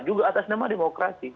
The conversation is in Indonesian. juga atas nama demokrasi